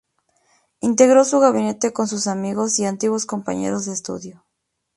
Integró su gabinete con sus amigos y antiguos compañeros de estudio.